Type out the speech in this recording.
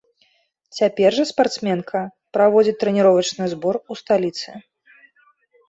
Цяпер жа спартсменка праводзіць трэніровачны збор у сталіцы.